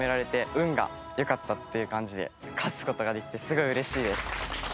運が良かったっていう感じで勝つ事ができてすごい嬉しいです。